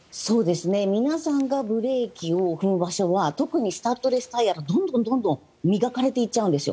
皆さんがブレーキを踏む場所は特にスタッドレスタイヤはどんどん磨かれていっちゃうんですよ。